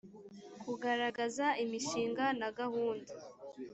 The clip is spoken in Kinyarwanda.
kugaragaza imishinga na gahunda